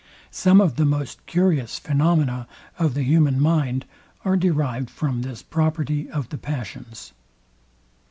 Some of the most curious phaenomena of the human mind are derived from this property of the passions.